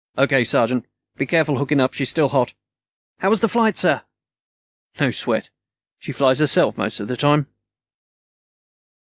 "O.K., sergeant. Be careful hooking up. She's still hot." "How was the flight, sir?" "No sweat. She flies herself most of the time."